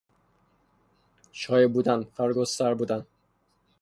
شایع بودن، فراگستر بودن